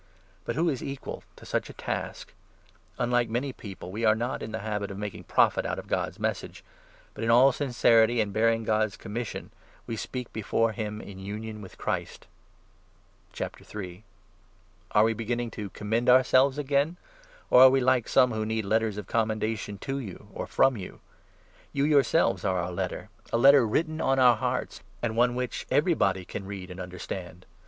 But who is equal to such a task ? Unlike 17 many people, we are not in the habit of making profit out of God's Message ; but in all sincerity, and bearing God's com mission, we speak before him in union with Christ. His converts Are we beginning to commend ourselves again ? i vindication ^r are we e some wno need letters of com of his mendation to you, or from you ? You yourselves 2 Ministry, are our letter — a letter written on our hearts, and one which everybody can read and understand.